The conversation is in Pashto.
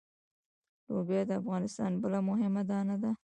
لوبیا د افغانستان بله مهمه دانه ده.